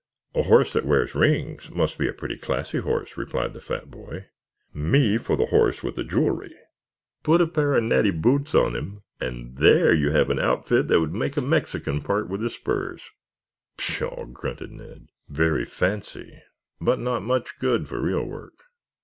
"A horse that wears rings must be a pretty classy horse," replied the fat boy. "Me for the horse with the jewelry. Put a pair of natty boots on him and there you have an outfit that would make a Mexican part with his spurs." "Pshaw!" grunted Ned. "Very fancy, but not much good for real work."